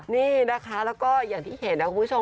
นี่นะคะแล้วก็อย่างที่เห็นนะคุณผู้ชม